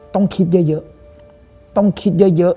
ต้องคิดเยอะต้องคิดเยอะ